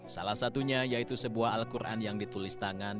salah satunya yaitu sebuah al qur an yang ditulis tangan